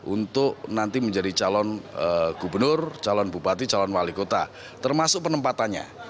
untuk nanti menjadi calon gubernur calon bupati calon wali kota termasuk penempatannya